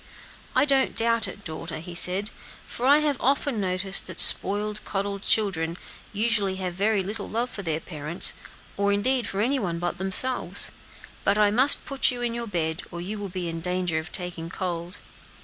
"I don't doubt it, daughter," he said, "for I have often noticed that spoiled, petted children, usually have very little love for their parents, or indeed for any one but themselves. But I must put you in your bed, or you will be in danger of taking cold."